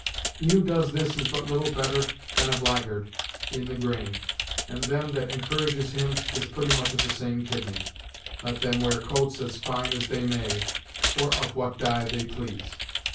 He who does this is but little better than a blackguard, in the grain, and them that encourages him is pretty much of the same kidney, let them wear coats as fine as they may, or of what dye they please."